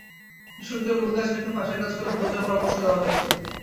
কৃষকদের মূল গাছ রেখে পাশের গাছগুলো ভেঙে দেওয়ার পরামর্শ দেওয়া হয়েছে।